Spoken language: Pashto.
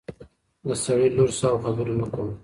د سړي لور شه او خبرې مه کوه.